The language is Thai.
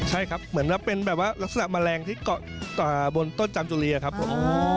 ใช่ครับเหมือนเป็นลักษณะแมลงที่เกาะบนต้นจำจุเลียครับผม